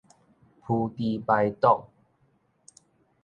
烰豬排丼